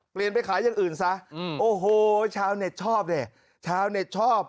เปลี่ยนไปขายอย่างอื่นซะโอ้โหชาวเน็ตชอบเนี่ย